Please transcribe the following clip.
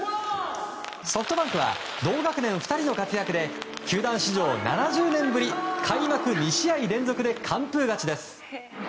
ソフトバンクは同学年２人の活躍で球団史上７０年ぶり開幕２試合連続で完封勝ちです。